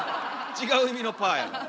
違う意味の「パー」やから。